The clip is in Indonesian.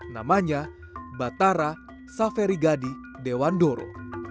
namanya batara saferigadi dewandoro